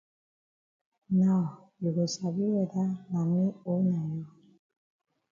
Now you go sabi whether na me o na you.